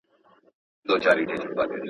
هیڅوک په بل غوره نه دی.